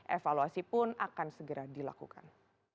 evaluasi pun akan segera dilakukan